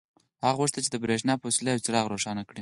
هغه غوښتل چې د برېښنا په وسیله یو څراغ روښانه کړي